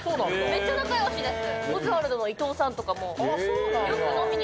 めっちゃ仲良しです。